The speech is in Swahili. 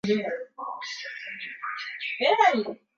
pata fulsa ya kipekee ya kutoa mchango wao kuhusu uongozi nchini humo